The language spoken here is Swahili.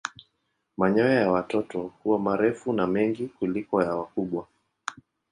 Manyoya ya watoto huwa marefu na mengi kuliko ya wakubwa.